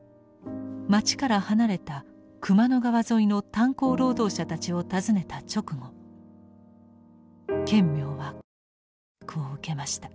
街から離れた熊野川沿いの炭鉱労働者たちを訪ねた直後顕明は家宅捜索を受けました。